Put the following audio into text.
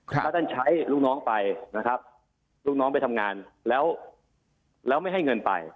ถ้าท่านใช้ลูกน้องไปนะครับลูกน้องไปทำงานแล้วไม่ให้เงินไป